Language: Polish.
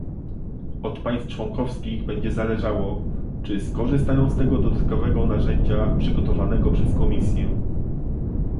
Od państw członkowskich będzie zależało, czy skorzystają z tego dodatkowego narzędzia przygotowanego przez Komisję